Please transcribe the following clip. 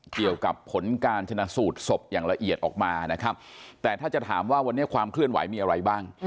เกี่ยวกับผลการชนะสูตรศพอย่างละเอียดออกมานะครับแต่ถ้าจะถามว่าวันนี้ความเคลื่อนไหวมีอะไรบ้าง